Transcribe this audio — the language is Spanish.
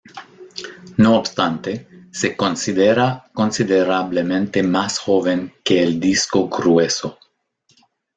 No obstante, se considera considerablemente más joven que el disco grueso.